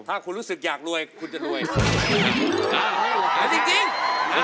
ถ้าคุณรู้สึกอยากรวยคุณจะรวย